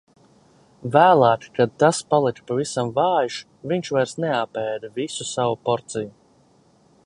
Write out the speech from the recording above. Vēlāk, kad tas palika pavisam vājš, viņš vairs neapēda visu savu porciju.